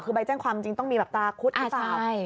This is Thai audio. คือใบแจ้งความจริงต้องมีแบบตราคุดหรือเปล่า